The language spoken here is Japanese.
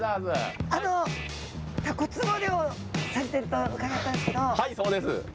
たこつぼ漁をされていると伺ったんですけど。